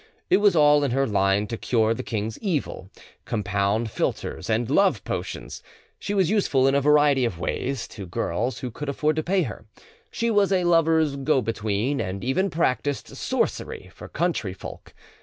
It was all in her line to cure the king's evil, compound philtres and love potions; she was useful in a variety of ways to girls who could afford to pay her; she was a lovers' go between, and even practised sorcery for country folk.